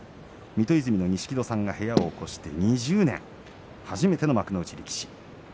水戸泉の錦戸さんが部屋を興して２０年初めての幕内力士です。